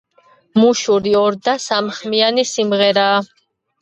მუშური ორ და სამხმიანი სიმღერაა.